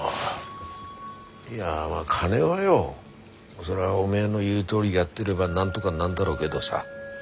いやまあ金はよそりゃおめえの言うとおりやってればなんとがなんだろうけどさ